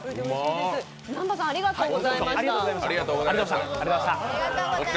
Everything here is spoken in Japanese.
南波さん、ありがとうございました。